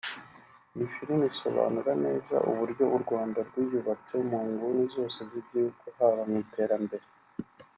Iyi filime isobanura neza uburyo u Rwanda rwiyubatse mu nguni zose z’igihugu haba mu iterambere